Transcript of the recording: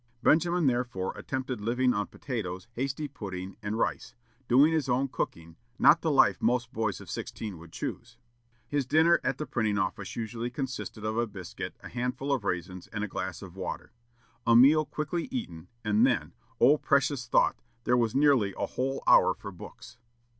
Benjamin therefore attempted living on potatoes, hasty pudding, and rice; doing his own cooking, not the life most boys of sixteen would choose. His dinner at the printing office usually consisted of a biscuit, a handful of raisins, and a glass of water; a meal quickly eaten, and then, O precious thought! there was nearly a whole hour for books.